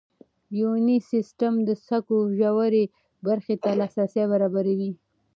یوني سیسټم د سږو ژورې برخې ته لاسرسی برابروي.